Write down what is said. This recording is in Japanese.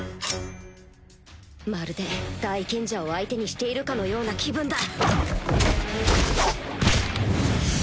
まるで大賢者を相手にしているかのような気分だ